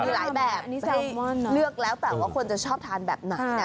มีหลายแบบเลือกแล้วแต่ว่าคนจะชอบทานแบบไหนนะ